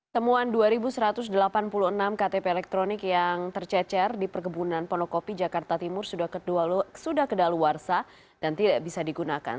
temuan dua satu ratus delapan puluh enam ktp elektronik yang tercecer di perkebunan ponokopi jakarta timur sudah kedaluarsa dan tidak bisa digunakan